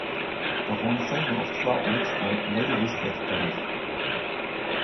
Baron Seymour of Trowbridge, und Lady Elizabeth Bennett.